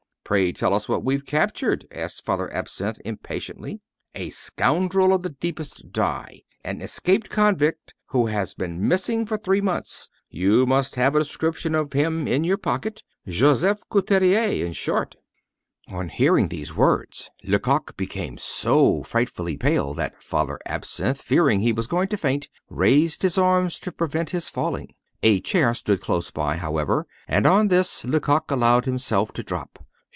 "Pray tell us what we've captured?" asked Father Absinthe, impatiently. "A scoundrel of the deepest dye, an escaped convict, who has been missing for three months. You must have a description of him in your pocket Joseph Couturier, in short." On hearing these words, Lecoq became so frightfully pale that Father Absinthe, fearing he was going to faint, raised his arms to prevent his falling. A chair stood close by, however, and on this Lecoq allowed himself to drop.